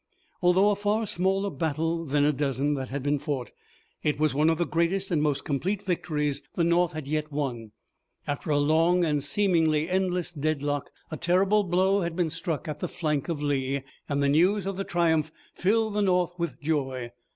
Although a far smaller battle than a dozen that had been fought, it was one of the greatest and most complete victories the North had yet won. After a long and seemingly endless deadlock a terrible blow had been struck at the flank of Lee, and the news of the triumph filled the North with joy.